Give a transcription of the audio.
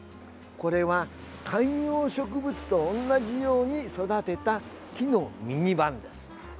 これは観葉植物と同じように育てた木のミニ版です。